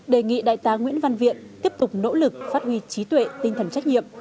đề nghị đại tá nguyễn văn viện tiếp tục nỗ lực phát huy trí tuệ tinh thần trách nhiệm